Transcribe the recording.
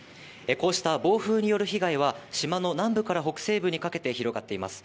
こうした暴風による被害は島の南部から北西部にかけて広がっています。